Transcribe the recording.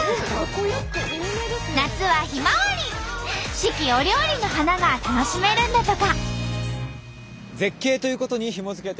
四季折々の花が楽しめるんだとか。